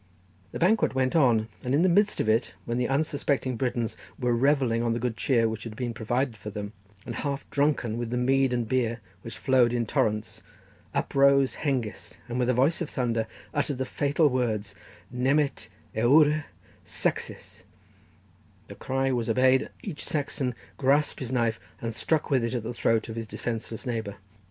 The banquet went on, and in the midst of it, when the unsuspecting Britons were revelling on the good cheer which had been provided for them, and half drunken with the mead and beer which flowed in torrents, uprose Hengist, and with a voice of thunder uttered the fatal words, "nemet eoure saxes;" the cry was obeyed, each Saxon grasped his knife, and struck with it at the throat of his defenceless neighbour.